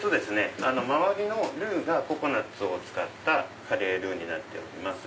周りのルーがココナツを使ったカレールーになっております。